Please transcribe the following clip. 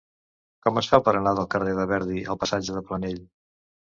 Com es fa per anar del carrer de Verdi al passatge de Planell?